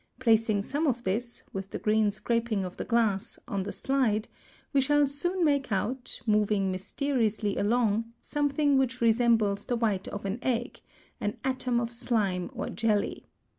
Placing some of this, with the green scraping of the glass, on the slide, we shall soon make out, moving mysteriously along, something which resembles the white of an egg, an atom of slime or jelly.